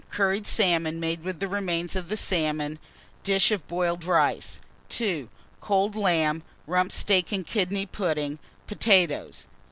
Curried salmon, made with remains of salmon, dish of boiled rice. 2. Cold lamb, Rump steak and kidney pudding, potatoes.